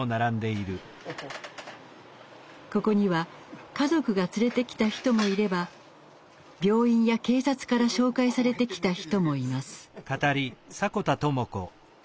ここには家族が連れてきた人もいれば病院や警察から紹介されてきた人もいます。